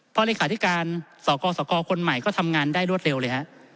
เพราะเลขาธิการสกสคคนใหม่ก็ทำงานได้รวดเร็วเลยฮะ